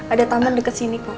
ada taman deket sini